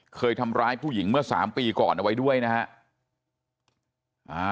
เคยทำร้ายผู้หญิงเมื่อ๓ปีก่อนเอาไว้ด้วยนะฮะ